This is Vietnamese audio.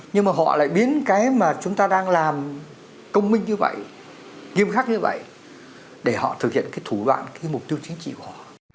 nhưng mà họ lại biến cái mà chúng ta đang làm công minh như vậy nghiêm khắc như vậy để họ thực hiện cái thủ đoạn cái mục tiêu chính trị của họ